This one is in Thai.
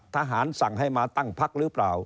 ทหารสั่งให้มาตั้งพักหรือเปล่า